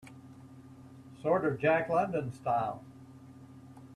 Sort of a Jack London style?